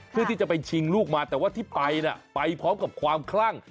เพื่อที่จะไปชิงลูกมาแต่ว่าที่ไปไปพร้อมกับความคลั่ง